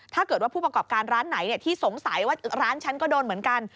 ถ้าเกิดว่าผู้ประกอบการร้านไหนที่สงสัยว่าร้านฉันก็โดนเหมือนกัน